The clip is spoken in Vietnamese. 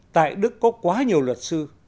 tại đức có quá nhiều luật sư